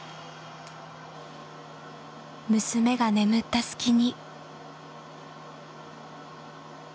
娘が眠った隙に。